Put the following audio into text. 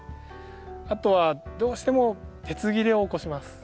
あとはどうしても鉄切れを起こします。